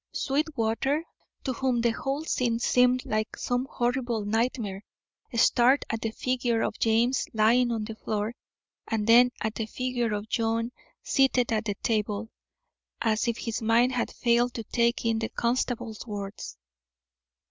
Sweetwater, to whom the whole scene seemed like some horrible nightmare, stared at the figure of James lying on the floor, and then at the figure of John seated at the table, as if his mind had failed to take in the constable's words.